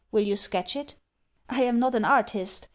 Will you sketch it?" "I am not an artist.